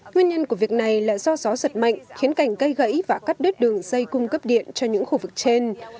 nguyên nhân của việc này là do gió giật mạnh khiến cảnh gây gãy và cắt đứt đường dây cung cấp điện cho những khu vực trên